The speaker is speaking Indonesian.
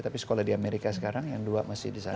tapi sekolah di amerika sekarang yang dua masih di sana